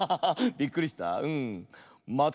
びっくりした？